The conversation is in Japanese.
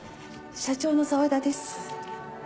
社長の沢田です。